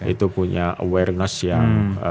itu punya awareness yang